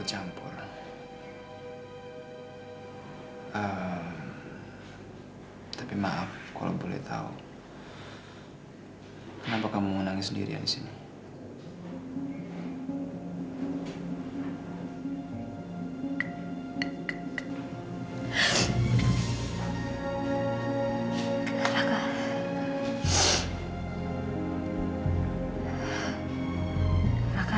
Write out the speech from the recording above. terima kasih banyak banyak